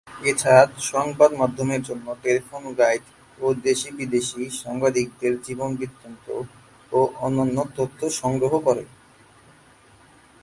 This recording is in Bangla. এছাড়া সংবাদ মাধ্যমের জন্য টেলিফোন গাইড ও দেশি-বিদেশি সাংবাদিকদের জীবন বৃত্তান্ত ও অন্যান্য তথ্য সংরক্ষণ করে।